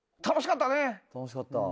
楽しかった。